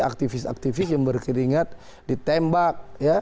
aktivis aktivis yang berkeringat ditembak